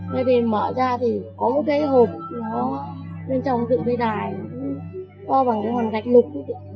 thế thì mở ra thì có một cái hộp nó bên trong dựng cái đài co bằng cái hoàn gạch lục